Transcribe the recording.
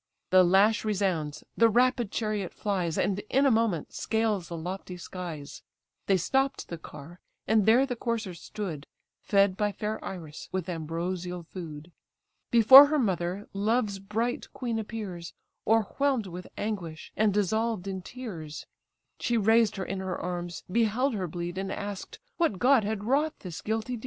The lash resounds, the rapid chariot flies, And in a moment scales the lofty skies: They stopp'd the car, and there the coursers stood, Fed by fair Iris with ambrosial food; Before her mother, love's bright queen appears, O'erwhelmed with anguish, and dissolved in tears: She raised her in her arms, beheld her bleed, And ask'd what god had wrought this guilty deed?